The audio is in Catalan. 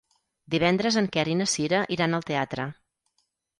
Divendres en Quer i na Cira iran al teatre.